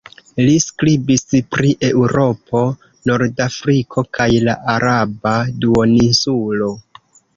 Li skribis pri Eŭropo, Nordafriko kaj la araba duoninsulo.